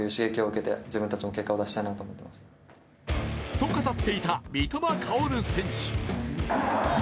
と語っていた三笘薫選手。